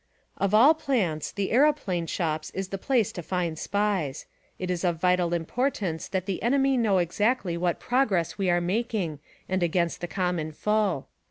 Of all plants the aeroplane shops is the place to find SPIES. It is of vital importance that the enemy know exactly what progress we are making and against the common foe.